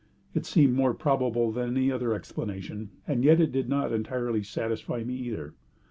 It seemed more probable than any other explanation, and yet it did not entirely satisfy me either.